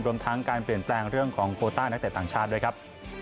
รวมทั้งการเปลี่ยนแปลงเรื่องของโคต้านักเตะต่างชาติด้วยครับ